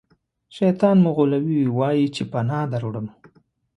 شیطان مو غولوي ووایئ چې پناه دروړم.